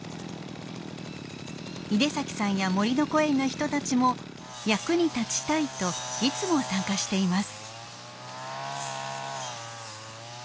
井出崎さんやもりのこえんの人たちも役に立ちたいといつも参加しています。